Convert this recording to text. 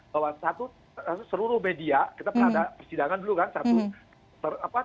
bahwa seluruh media kita pernah ada persidangan dulu kan